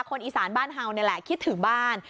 คนอีสานบ้านเฮานี่แหละคิดถึงบ้าน